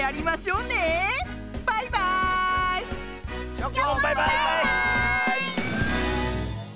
チョコンバイバーイ！